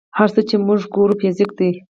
هر څه چې موږ ګورو فزیک دی.